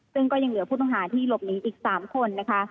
ซึ่งก็ยังเหลือผู้ต้องหาที่หลบหนีอีก๓คนนะคะ